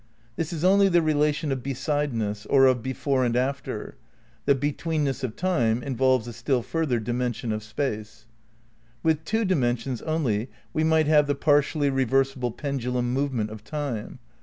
This is only the relation of besideness, or of before and after. The betweenness of Time involves a still further di mension of Space. With two dimensions only we might have the partially reversible pendulum movement of Time.